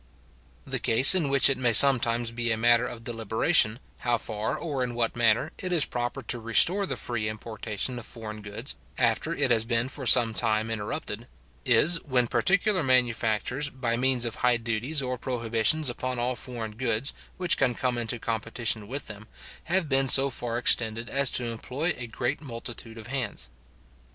The case in which it may sometimes be a matter of deliberation, how far, or in what manner, it is proper to restore the free importation of foreign goods, after it has been for some time interrupted, is when particular manufactures, by means of high duties or prohibitions upon all foreign goods which can come into competition with them, have been so far extended as to employ a great multitude of hands.